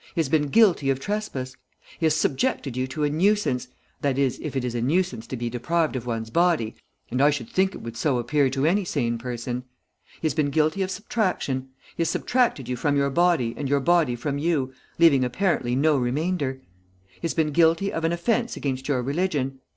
He has been guilty of trespass. He has subjected you to a nuisance, that is if it is a nuisance to be deprived of one's body, and I should think it would so appear to any sane person. He has been guilty of subtraction. He has subtracted you from your body and your body from you, leaving apparently no remainder. He has been guilty of an offence against your religion.